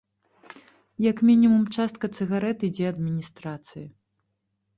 Як мінімум частка цыгарэт ідзе адміністрацыі.